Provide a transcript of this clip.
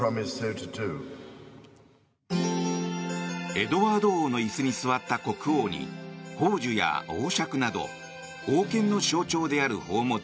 エドワード王の椅子に座った国王に宝珠や王笏など王権の象徴である宝物